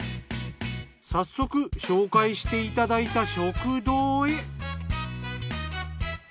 早速紹介していただいた食堂へ。